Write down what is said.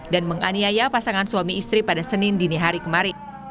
dan menganiaya pasangan suami istri pada senin dini hari kemarin